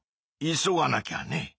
急がなきゃね！